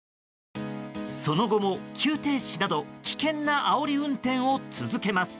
その後も急停止など危険なあおり運転を続けます。